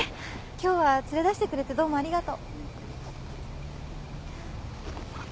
今日は連れ出してくれてどうもありがとう。